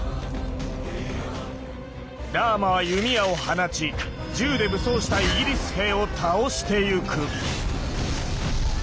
ラーマは弓矢を放ち銃で武装したイギリス兵を倒していく。